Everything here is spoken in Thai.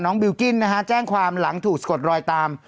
บิลกิ้นนะฮะแจ้งความหลังถูกสะกดรอยตาม